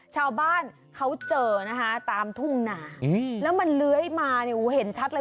ชาวบ้านเขาเจอตามทุ่งนาแล้วมันเลื้อยมาเห็นชัดเลย